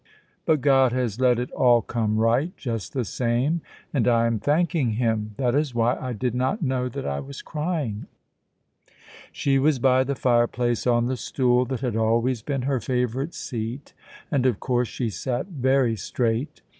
"But God has let it all come right, just the same, and I am thanking Him. That is why I did not know that I was crying." She was by the fireplace, on the stool that had always been her favourite seat, and of course she sat very straight.